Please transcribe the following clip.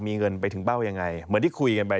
มีเงินไปถึงเป้ายังไงเหมือนที่คุยกันไป